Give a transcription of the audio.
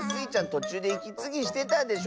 とちゅうでいきつぎしてたでしょ。